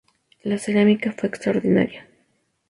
La cerámica fue extraordinaria.